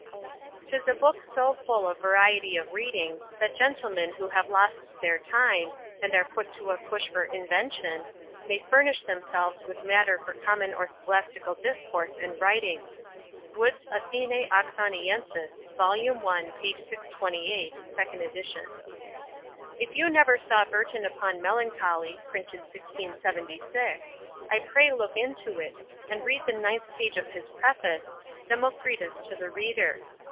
'Tis a book so full of variety of reading, that gentlemen who have lost their time, and are put to a push for invention, may furnish themselves with matter for common or scholastical discourse and writing.—Wood's Athenae Oxoniensis, vol. i. p. 628. 2d edit. If you never saw BURTON UPON MELANCHOLY, printed 1676, I pray look into it, and read the ninth page of his Preface, 'Democritus to the Reader.'